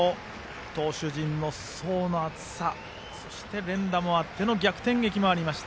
投手陣の層の厚さそして、連打もあっての逆転劇もありました。